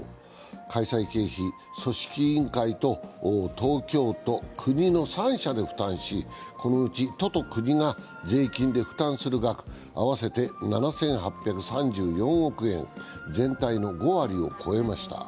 開催経費、組織委員会と東京都、国の３者で負担しこのうち都と国が税金で負担する額、合わせて７８３４億円、全体の５割を超えました。